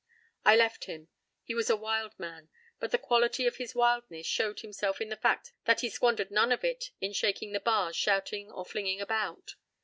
p> I left him. He was a wild man, but the quality of his wildness showed itself in the fact that he squandered none of it in shaking the bars, shouting, or flinging about.